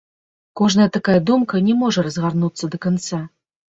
Кожная такая думка не можа разгарнуцца да канца.